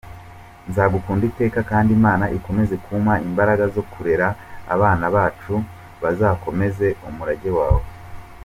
Nzagukunda iteka kandi Imana ikomeze kuma imbaraga zo kurera abana bacu bazakomeze umurage wawe….